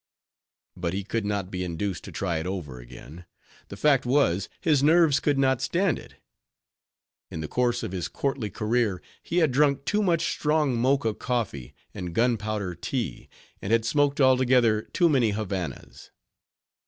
But he could not be induced to try it over again; the fact was, his nerves could not stand it; in the course of his courtly career, he had drunk too much strong Mocha coffee and gunpowder tea, and had smoked altogether too many Havannas.